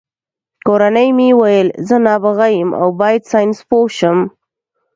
کورنۍ مې ویل زه نابغه یم او باید ساینسپوه شم